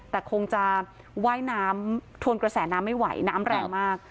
แต่คงจะว่ายน้ำทวนกระแสน้ำไม่ไหวน้ำแรงมาก